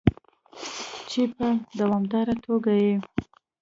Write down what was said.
چې په دوامداره توګه یې